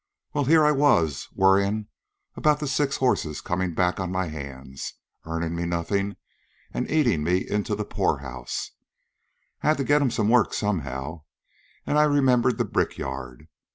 Well, here was I worryin' about the six horses comin' back on my hands, earnin' me nothin' an' eatin' me into the poorhouse. I had to get 'm work somehow, an' I remembered the brickyard.